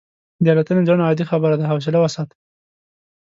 د الوتنې ځنډ عادي خبره ده، حوصله وساته.